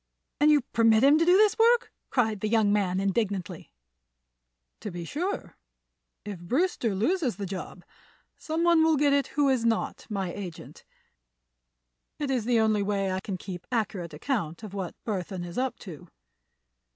"And you permit him to do this work!" cried the young man, indignantly. "To be sure. If Brewster loses the job, some one will get it who is not my agent. It is the only way I can keep accurate account of what Burthon is up to."